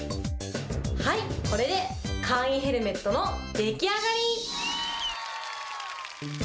はい、これで簡易ヘルメットの出来上がり！